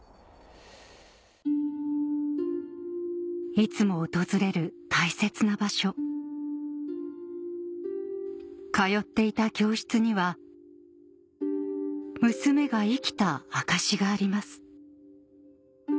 いつも訪れる大切な場所通っていた教室には娘が生きた証しがあります